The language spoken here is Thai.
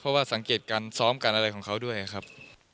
เพราะว่าสังเกตการซ้อมกันอะไรของเขาด้วยครับ